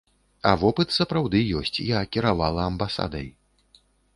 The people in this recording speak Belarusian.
А вопыт сапраўды ёсць, я кіравала амбасадай.